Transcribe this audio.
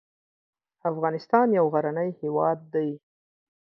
افغانستان یو غرنی هیواد دی